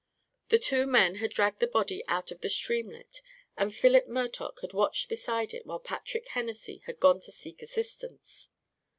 The two men had dragged the body out of the streamlet, and Philip Murtock had watched beside it while Patrick Hennessy had gone to seek assistance.